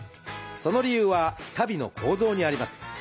その理由は足袋の構造にあります。